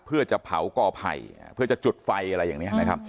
เพื่อจะเผาก่อไภเพื่อจะจุดไฟอะไรแบบนี้